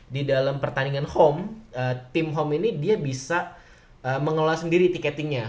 di dalam pertandingan home tim home ini dia bisa mengelola sendiri tiketingnya